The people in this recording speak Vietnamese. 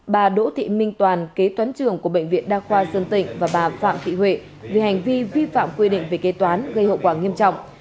bà đỗ thị minh toàn kế toán trưởng của bệnh viện đa khoa sơn tịnh và bà phạm thị huệ vì hành vi vi phạm quy định về kế toán gây hậu quả nghiêm trọng